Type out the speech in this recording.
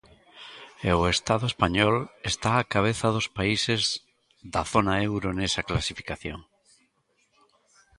E o Estado español está á cabeza dos países da zona euro nesa clasificación.